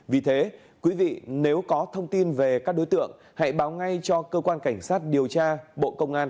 vì thế quý vị nếu có thông tin về các đối tượng hãy báo ngay cho cơ quan cảnh sát điều tra bộ công an